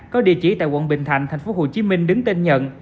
có địa chỉ tại quận bình thạnh tp hcm đứng tên nhận